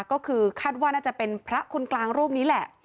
ก็คือคาดว่าน่าจะเป็นพระคนกลางรูปนี้แหละ